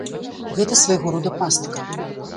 Гэта свайго рода пастка.